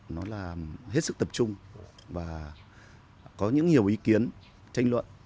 nó là hết sức tập trung và có những nhiều ý kiến tranh luận